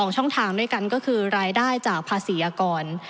ช่องทางด้วยกันก็คือรายได้จากภาษีอากร